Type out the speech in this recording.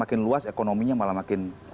makin luas ekonominya malah makin